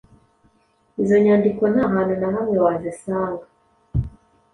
izo nyandiko ntahantu nahamwe wazisanga